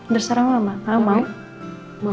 terserah mama haa mama